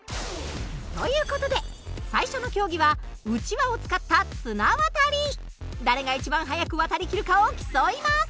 という事で最初の競技はうちわを使った誰が一番早く渡りきるかを競います。